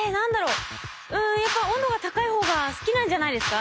うんやっぱ温度が高い方が好きなんじゃないですか？